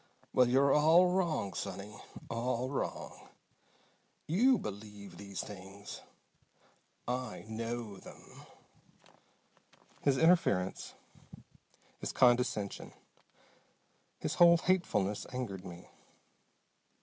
Well, you're all wrong, sonny. All wrong! You believe these things. I know them!" His interference, his condescension, his whole hatefulness angered me.